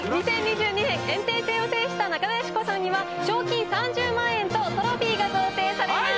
２０２２年炎帝戦を制した中田喜子さんには賞金３０万円とトロフィーが贈呈されます。